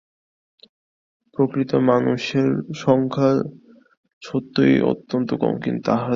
প্রকৃত মানুষের সংখ্যা সত্যই অত্যন্ত কম, কিন্তু তাঁহাদের সংখ্যা বাড়িবে।